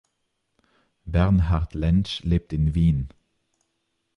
Bernhard Lentsch lebt in Wien.